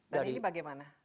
dan ini bagaimana